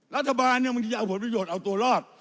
รัฐบาลเนี่ยมันคิดจะเอาผลประโยชน์เอาตัวรอด